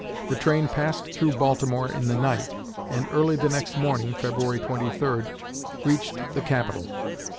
The train passed through Baltimore in the night, and early the next morning (February 23) reached the capital.